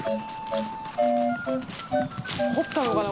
掘ったのかな？